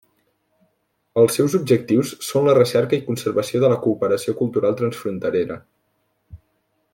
Els seus objectius són la recerca i conservació de la cooperació cultural transfronterera.